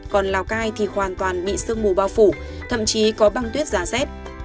còn lào cai thì hoàn toàn bị sương mù bao phủ thậm chí có băng tuyết giá rét